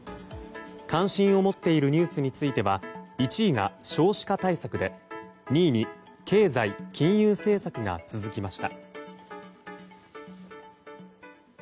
関心を持っているニュースについては１位が少子化対策で、２位に経済・金融政策が続きました。